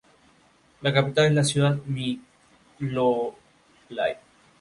Los desastres inesperados o las amenazas de un juicio divino exigían días de ayuno.